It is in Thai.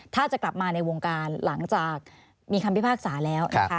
ถ้าจะกลับมาในวงการหลังจากมีคำพิพากษาแล้วนะคะ